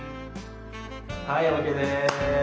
はいＯＫです。